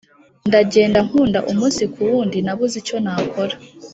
ndagenda nkunda umunsi kuwundi nabuze icyo nakora